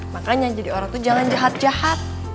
makanya jadi orang tuh jalan jahat jahat